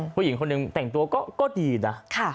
ผู้หญิงคนหนึ่งแต่งตัวก็ดีนะ